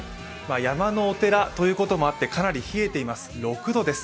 山のお寺ということもあってかなり冷えています、６度です。